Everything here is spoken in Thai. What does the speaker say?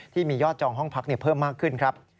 ที่มียอดจองห้องพักเพิ่มมากขึ้นครับ